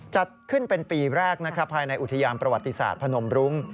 จัดขึ้นเป็นปีแรกนะครับภายในอุทยานประวัติศาสตร์พนมรุ้ง